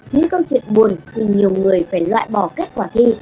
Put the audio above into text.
những câu chuyện buồn thì nhiều người phải loại bỏ kết quả thi